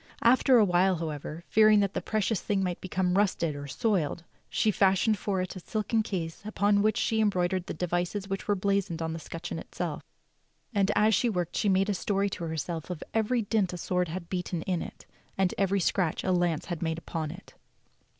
After a while, how ever, fearing that the precious thing might become rusted or soiled, she fashioned for it a silken case upon which she embroidered the devices which were blazoned on the scutcheon itself; and as she worked she made a story to herself of every dint a sword had beaten in it, and every scratch a lance had made upon it.